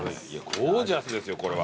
ゴージャスですよこれは。